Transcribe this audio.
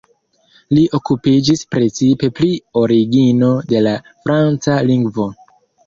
Li okupiĝis precipe pri origino de la franca lingvo.